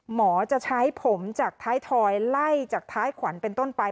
หมอจะใช้ผมจากท้ายถอยไล่จากท้ายขวัญเป็นต้นไป